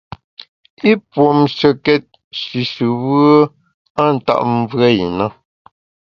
I puomshekét shishùbùe a ntap mvùe i na.